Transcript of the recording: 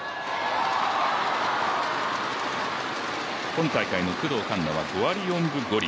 今大会の工藤環奈は５割４分５厘。